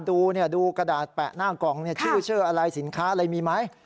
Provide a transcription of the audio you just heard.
คุณผู้เชื่ออะไรสินค้าอะไรมีไหม